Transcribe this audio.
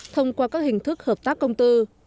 thông qua các hình thức hợp tác công tư